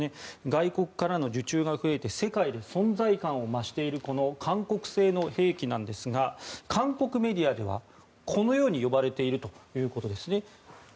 外国からの受注が増えて世界で存在感を増しているこの韓国製の兵器なんですが韓国メディアでは、このように呼ばれているということです。